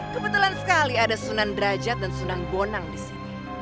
kebetulan sekali ada sunan derajat dan sunan gonang disini